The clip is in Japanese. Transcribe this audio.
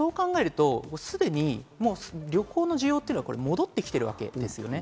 そう考えると、すでに旅行の需要っていうのは戻ってきてるわけです。